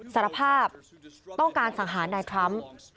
สารภาพต้องการสังหารนายทรัมป์